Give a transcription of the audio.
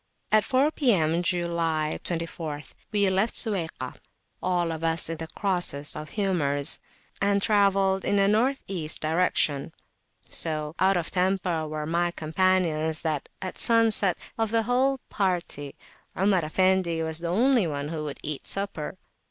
At four P.M. (July 24th) we left Suwaykah, all of us in the crossest of humours, and travelled in a N.E. direction. So "out of temper" were my companions, that at sunset, of the whole party, Omar Effendi was the only one who would eat supper.